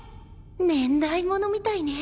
年代物みたいね。